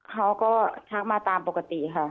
เขาก็ทักมาตามปกติค่ะ